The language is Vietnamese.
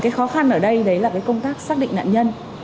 cái khó khăn ở đây đấy là cái công tác xác định nạn nhân